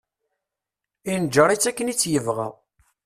Inǧer-itt akken i tt-yebɣa.